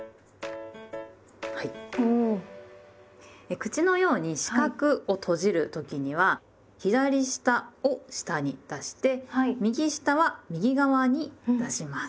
口のように四角を閉じる時には左下を下に出して右下は右側に出します。